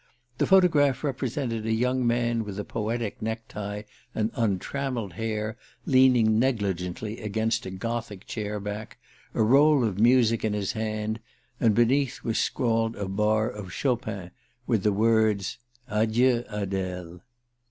The photograph represented a young man with a poetic necktie and untrammelled hair, leaning negligently against a Gothic chair back, a roll of music in his hand; and beneath was scrawled a bar of Chopin, with the words: "_ Adieu, Adele_."